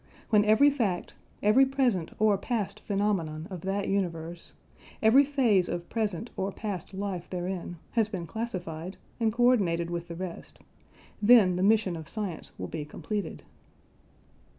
When every fact, every present or past phenomenon of that universe, every phase of present or past life therein, has been classified, and co ordinated with the rest, then the mission of science will be completed."